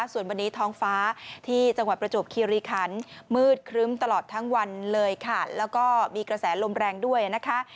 ส่วนวันนี้ท้องฟ้าที่จังหวัดประจวบคิริคันมืดครึ้มตลอดทั้งวันเลยค่ะแล้วก็มีกระแสลมแรงด้วยนะคะ